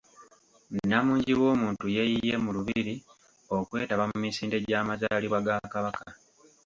Namungi w’omuntu yeeyiye mu lubiri okwetaba mu misinde gy’amazaalibwa ga Kabaka.